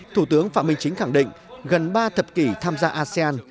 thủ tướng phạm minh chính khẳng định gần ba thập kỷ tham gia asean